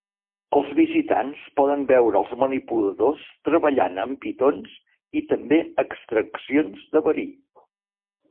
Els visitants poden veure als manipuladors treballant amb pitons i també extraccions de verí.